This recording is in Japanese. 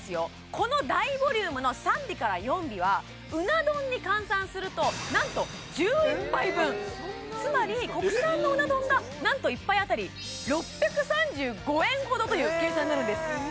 この大ボリュームの３尾から４尾はうな丼に換算するとなんと１１杯分つまり国産のうな丼がなんと１杯当たり６３５円ほどという計算になるんです